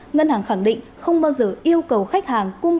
ngân hàng khẳng định không bao giờ yêu cầu khách hàng cung cấp thông tin